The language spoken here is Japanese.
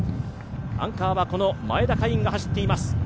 アンカーは前田海音が走っています。